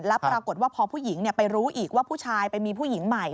แล้วปรากฏว่าพอผู้หญิงไปรู้อีกว่าผู้ชายไปมีผู้หญิงใหม่